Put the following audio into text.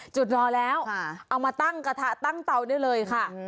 จุดรอแล้วเอามาตั้งกระทะตั้งเตาได้เลยค่ะ